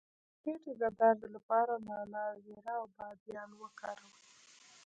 د خیټې د درد لپاره نعناع، زیره او بادیان وکاروئ